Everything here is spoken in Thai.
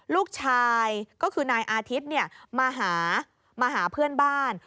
ลูกชายก็คือนายอาทิตย์มาหามาหาเพื่อนบ้าน